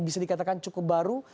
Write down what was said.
bisa dikatakan cukup baru